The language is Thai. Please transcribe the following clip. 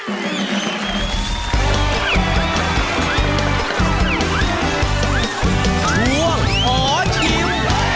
ช่วงขอชิม